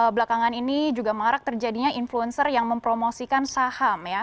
belakangan ini juga marak terjadinya influencer yang mempromosikan saham ya